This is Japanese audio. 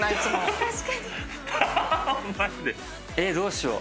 えっどうしよう。